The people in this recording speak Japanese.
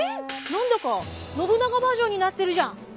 何だか信長バージョンになってるじゃん！